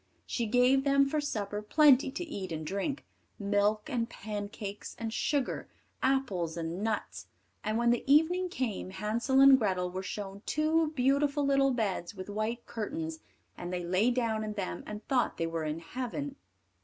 She gave them for supper plenty to eat and drink milk and pancakes and sugar, apples and nuts; and when evening came, Hansel and Grethel were shown two beautiful little beds with white curtains, and they lay down in them and thought they were in heaven.